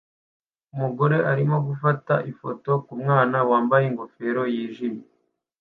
Umugore arimo gufata ifoto yumwana wambaye ingofero yijimye